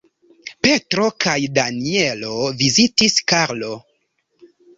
Petro kaj Danjelo vizitis Karlon.